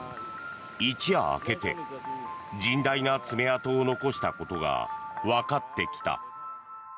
一夜明けて甚大な爪痕を残したことがわかってきた。